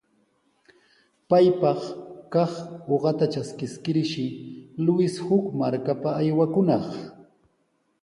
Paypaq kaq uqata traskiskirshi Luis huk markapa aywakunaq.